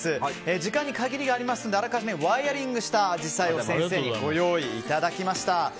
時間に限りがありますので事前にワイヤリングしたアジサイを先生にご用意いただきました。